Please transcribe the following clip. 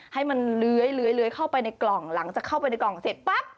ให้มันเลื้อยเข้าไปในกล่องหลังจากเข้าไปในกล่องเสร็จปั๊บ